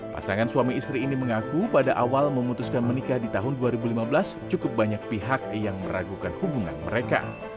pasangan suami istri ini mengaku pada awal memutuskan menikah di tahun dua ribu lima belas cukup banyak pihak yang meragukan hubungan mereka